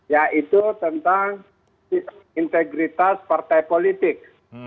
yaitu tentang integritas partai politik